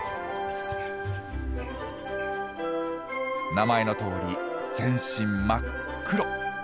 名前のとおり全身真っ黒。